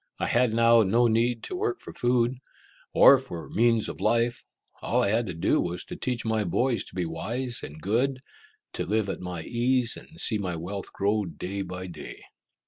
I had now no need to work for food, or for means of life; all I had to do was to teach my boys to be wise and good, to live at my ease, and see my wealth grow day by day.